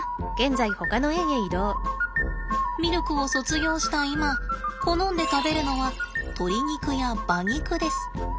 ミルクを卒業した今好んで食べるのは鶏肉や馬肉です。